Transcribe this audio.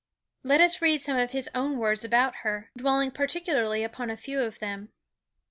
Let us read some of his own words about her, dwelling particularly upon a few of them.